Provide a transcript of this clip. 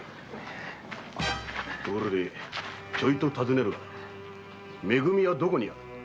ところでちょいと尋ねるが「め組」はどこにある？